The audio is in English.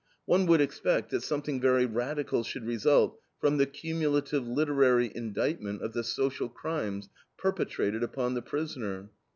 One would expect that something very radical should result from the cumulative literary indictment of the social crimes perpetrated upon the prisoner.